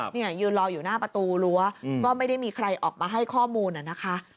เนี่ยยืนรออยู่หน้าประตูรั้วก็ไม่ได้มีใครออกมาให้ข้อมูลนะคะ